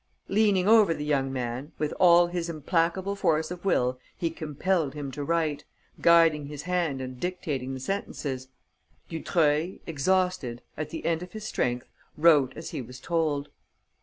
Leaning over the young man, with all his implacable force of will he compelled him to write, guiding his hand and dictating the sentences. Dutreuil, exhausted, at the end of his strength, wrote as he was told.